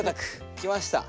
きました。